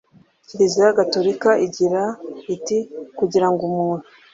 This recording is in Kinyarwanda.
Kiliziya Gatolika igira iti Kugira ngo umuntu